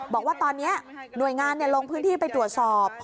บอกว่าตอนนี้หน่วยงานลงพื้นที่ไปตรวจสอบ